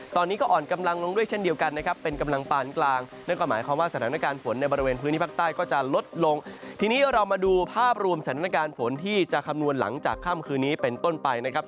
ที่จะคำนวณหลังจากค่ำคืนนี้เป็นต้นไป